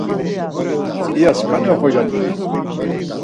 İya skani oxorca rt̆ui?